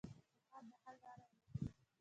پوهان د حل لاره ولټوي.